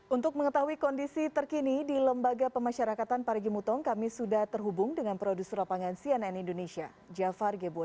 untuk mengetahui kondisi terkini di lembaga pemasyarakatan parigi mutong kami sudah terhubung dengan produser lapangan cnn indonesia jafar geboi